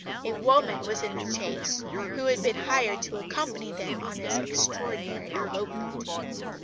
A woman was in the chaise who had been hired to accompany them on this extraordinary elopement."